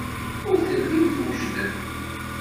Ur tellim twejdem.